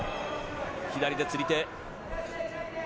左で釣り手。